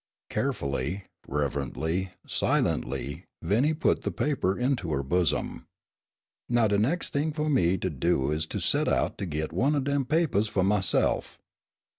'" Carefully, reverently, silently Viney put the paper into her bosom. "Now, de nex' t'ing fu' me to do is to set out to git one dem papahs fu' myse'f.